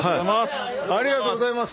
ありがとうございます。